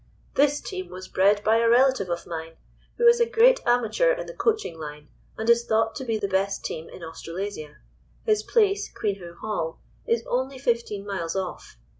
"This team was bred by a relative of mine, who is a great amateur in the coaching line, and is thought to be the best team in Australasia! His place, Queenhoo Hall, is only fifteen miles off.